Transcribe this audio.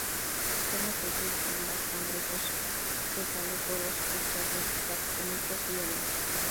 Come peces, gambas, cangrejos, cefalópodos, crustáceos planctónicos y algas.